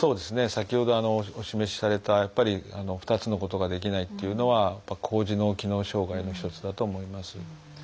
先ほどお示しされた２つのことができないというのは高次脳機能障害の一つだと思います。